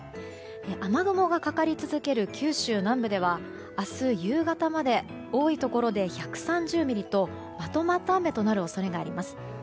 雨雲がかかり続ける九州南部では明日夕方まで多いところで１３０ミリとまとまった雨となる恐れがあります。